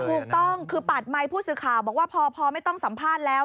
ถูกต้องคือปัดไมค์ผู้สื่อข่าวบอกว่าพอไม่ต้องสัมภาษณ์แล้ว